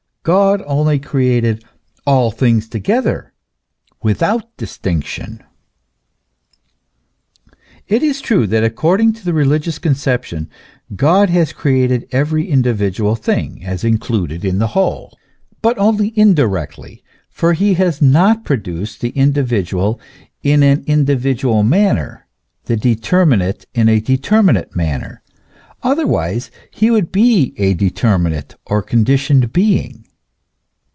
God only created all things together without distinction. It is true that according to the religious conception, God has created every individual thing, as included in the whole ; but THE CONTRADICTION IN THE NATURE OF GOD. 217 only indirectly; for he has not produced the individual in an individual manner, the determinate in a determinate manner ; otherwise he would be a determinate or conditioned being.